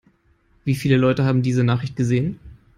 Wie viele Leute haben diese Nachricht gesehen?